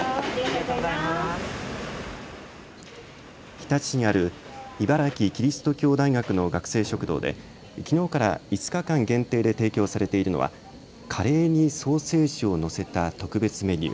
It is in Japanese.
日立市にある茨城キリスト教大学の学生食堂できのうから５日間限定で提供されているのはカレーにソーセージを載せた特別メニュー、